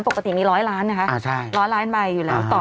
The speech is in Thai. ปกติมีร้อยล้านนะคะอ่าใช่ร้อยล้านใบอยู่แล้วอ่า